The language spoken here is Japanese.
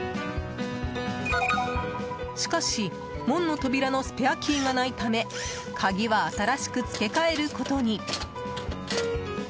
しかし、門の扉のスペアキーがないため鍵は新しく付け替えることに。